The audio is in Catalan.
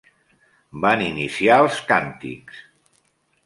Van iniciar els càntics.